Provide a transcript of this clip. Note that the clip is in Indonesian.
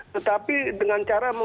tetapi dengan catatan